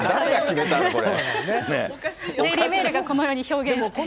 デイリー・メールがこのように表現しているんですね。